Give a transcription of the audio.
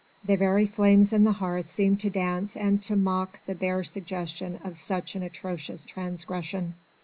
The very flames in the hearth seemed to dance and to mock the bare suggestion of such an atrocious transgression.